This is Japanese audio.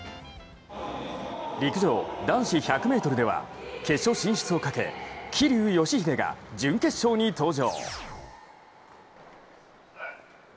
陸上男子１００ｍでは決勝進出をかけ桐生祥秀が準決勝に登場。